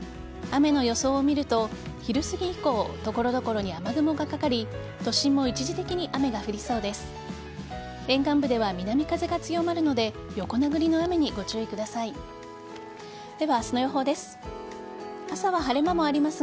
雨の予想を見ると昼すぎ以降所々に雨雲がかかり都心も一時的に雨が降りそうです。